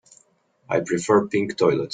I prefer pink toilets.